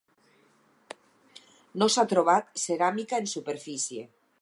No s'ha trobat ceràmica en superfície.